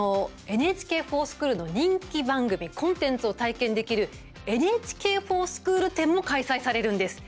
その「ＮＨＫｆｏｒＳｃｈｏｏｌ」の人気番組、コンテンツを体験できる「ＮＨＫｆｏｒＳｃｈｏｏｌ展」も開催されるんです。